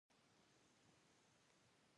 په مني کې به سړو بادونو په کې انګولل.